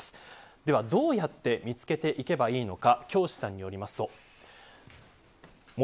ではどうやって見つけていけばいいのか。